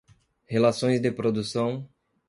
relações de produção